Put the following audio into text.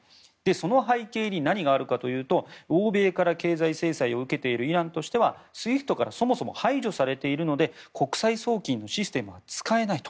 その背景に何があるかというと欧米から経済制裁を受けているイランとしてはＳＷＩＦＴからそもそも排除されているので国際送金のシステムが使えないと。